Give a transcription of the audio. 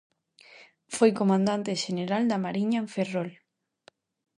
Foi comandante xeneral da Mariña en Ferrol.